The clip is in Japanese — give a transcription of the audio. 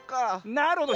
なるほど。